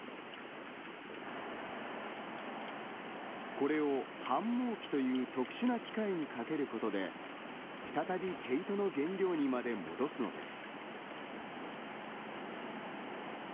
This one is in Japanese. これを反毛機という特殊な機械にかけることで再び毛糸の原料にまで戻すのです。